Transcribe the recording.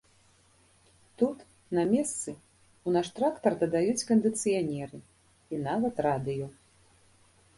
Тут на месцы ў наш трактар дадаюць кандыцыянеры і нават радыё.